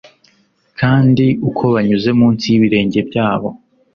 Kandi uko banyuze munsi yibirenge byabo